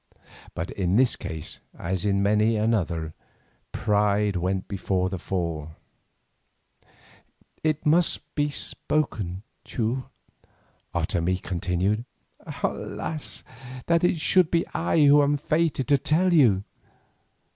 But in this case as in many another, pride went before a fall. "It must be spoken, Teule," Otomie continued. "Alas! that it should be I who am fated to tell you.